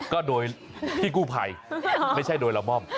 ก็โดยพี่กู้ภัยไม่ใช่โดยละม่อม